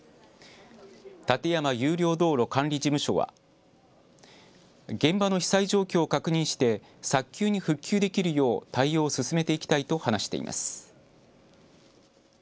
立山有料道路管理事務所は現場の被災状況を確認して早急に復旧できるよう対応を進めていきたいと話しています。